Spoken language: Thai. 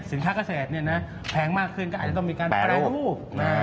สินค้าขศลเนี่ยแพงมากขึ้นก็อาจจะต้องมีการแปรรูป